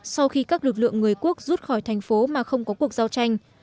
sau khi các lực lượng người quốc rút khỏi thành phố mà không có cuộc giao tranh